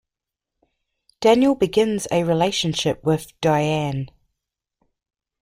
Daniel begins a relationship with Diane.